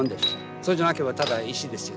そうじゃなければただ石ですよ。